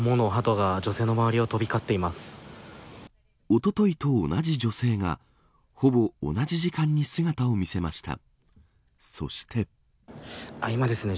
おとといと同じ女性がほぼ同じ時間に姿を見せました。